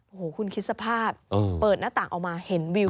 โอ้โหคุณคิดสภาพเปิดหน้าต่างออกมาเห็นวิว